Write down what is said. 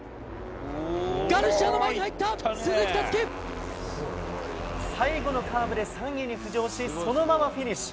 ガルシアの前に入った、最後のカーブで３位に浮上し、そのままフィニッシュ。